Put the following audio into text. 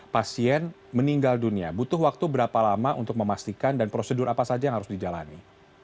pasien meninggal dunia butuh waktu berapa lama untuk memastikan dan prosedur apa saja yang harus dijalani